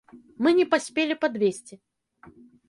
Мы не паспелі падвезці.